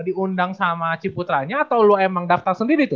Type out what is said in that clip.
diundang sama ciputranya atau lo emang daftar sendiri tuh